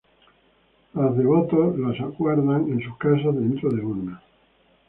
Los devotos las guardan en sus casas dentro de urnas.